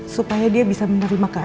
supaya dia bisa menerima keadaan